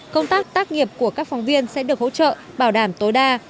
công tác tắc nghiệp của các phòng viên sẽ được hỗ trợ bảo đảm tối đa